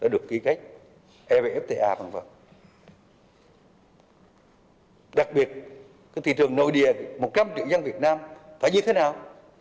đặc biệt cái thị trường nội địa một trăm linh triệu dân việt nam phải như thế nào